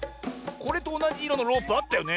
これとおなじいろのロープあったよね。